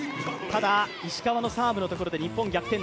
ただ、石川のサーブのところで日本逆転７−６。